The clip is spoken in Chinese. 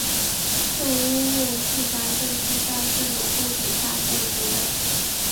胜因院住宅就是在这种背景下建成的。